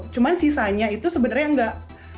cuman sisanya itu sebenarnya enggak